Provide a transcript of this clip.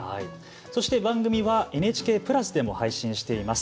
そして、番組はＮＨＫプラスでも配信しています。